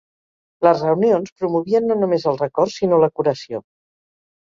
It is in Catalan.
Les reunions promovien no només el record, sinó la curació.